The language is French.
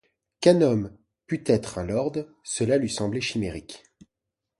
Qu’un homme pût être un lord, cela lui semblait chimérique.